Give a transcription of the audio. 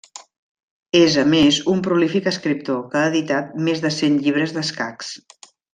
És a més un prolífic escriptor, que ha editat més de cent llibres d'escacs.